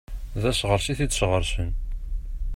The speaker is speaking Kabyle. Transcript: D aseɣres i t-id-sɣersen.